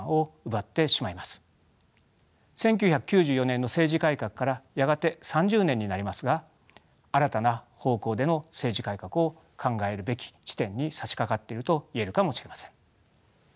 １９９４年の政治改革からやがて３０年になりますが新たな方向での政治改革を考えるべき地点にさしかかっていると言えるかもしれません。